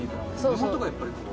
目元がやっぱりこう。